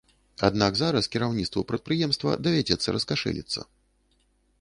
Аднак зараз кіраўніцтву прадпрыемства давядзецца раскашэліцца.